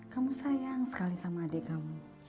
kamu sayang sekali sama adik kamu